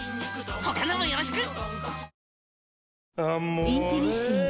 他のもよろしく！